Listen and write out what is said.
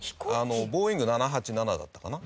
ボーイング７８７だったかな。